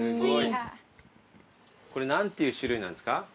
これ何ていう種類なんですか？